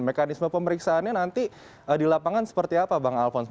mekanisme pemeriksaannya nanti di lapangan seperti apa bang alphonse